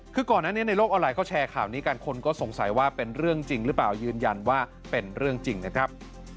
คือก่อนอันนี้ในโลกออนไลเขาแชร์ข่าวนี้กันคนก็สงสัยว่าเป็นเรื่องจริงหรือเปล่ายืนยันว่าเป็นเรื่องจริงนะครับ